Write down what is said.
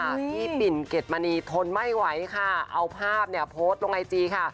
พี่ปิ่นเกดมณีทนไม่ไหวค่ะเอาภาพเนี่ยโพสต์ลงไอจีค่ะ